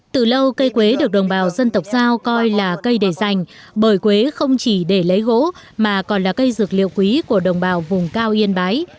từ lâu cây quế được đồng bào dân tộc giao coi là cây để giành bởi quế không chỉ để lấy gỗ mà còn là cây dược liệu quý của đồng bào vùng cao yên bái